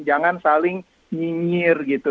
jangan saling nyinyir gitu